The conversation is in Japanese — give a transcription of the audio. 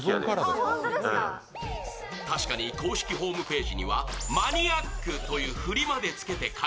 確かに公式ホームページにはマニアックという振りまでつけて書